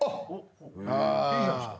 いいじゃないですか。